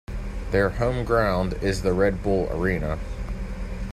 Their home ground is the Red Bull Arena.